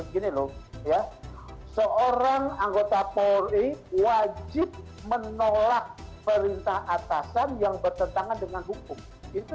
gini loh ya seorang anggota polri wajib menolak perintah atasan yang bertentangan dengan hukum itu